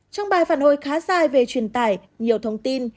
trong bài phản hồi khá dài về truyền tải nhiều thông tin